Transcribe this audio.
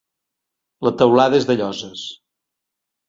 La teulada és de lloses.